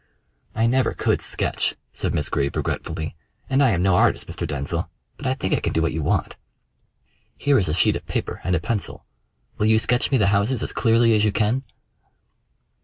"I never could sketch," said Miss Greeb regretfully, "and I am no artist, Mr. Denzil, but I think I can do what you want." "Here is a sheet of paper and a pencil. Will you sketch me the houses as clearly as you can?"